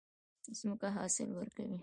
ځمکه حاصل ورکوي.